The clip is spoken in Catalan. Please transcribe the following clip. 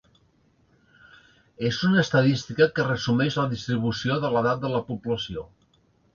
És una estadística que resumeix la distribució de l'edat de la població.